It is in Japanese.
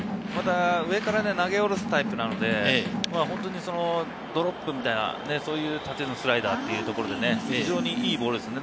上から投げ下ろすタイプなので、ドロップみたいな縦のスライダーというところで非常にいいボールですね。